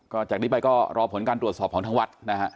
ก็จากนี้ไปก็รอผลการตรวจสอบของทางวัดนะฮะ